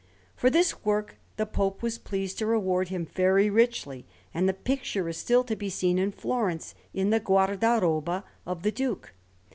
For this work the Pope was pleased to reward him very richly; and the picture is still to be seen in Florence, in the guardaroba of the Duke.